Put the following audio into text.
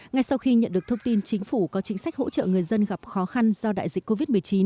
ngay sau khi nhận được thông tin chính phủ có chính sách hỗ trợ người dân gặp khó khăn do đại dịch covid một mươi chín